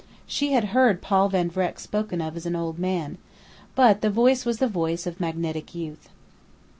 She had heard Paul Van Vreck spoken of as an old man, but the voice was the voice of magnetic youth.